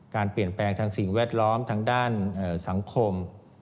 การเปลี่ยนแปลงทางสิ่งแวดล้อมทางด้านสังคม